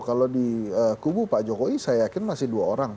kalau di kubu pak jokowi saya yakin masih dua orang